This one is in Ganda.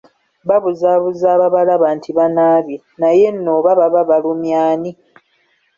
Babuzaabuza ababalaba nti banaabye, naye nno oba baba balumya ani?